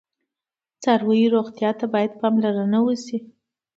د څارویو روغتیا ته باید پاملرنه وشي.